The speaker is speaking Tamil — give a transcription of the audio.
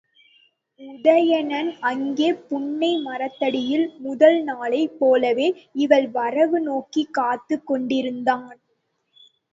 உதயணன் அங்கே புன்னை மரத்தடியில் முதல் நாளைப் போலவே இவள் வரவு நோக்கிக் காத்துக் கொண்டிருந்தான்.